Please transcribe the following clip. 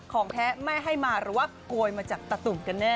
ของแท้แม่ให้มาหรือว่าโกยมาจากตาตุ่มกันแน่